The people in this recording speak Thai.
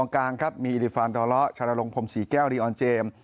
กลางครับมีอิริฟานดอเลาะชานรงพรมศรีแก้วรีออนเจมส์